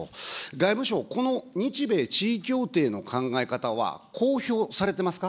外務省、この日米地位協定の考え方は、公表されてますか。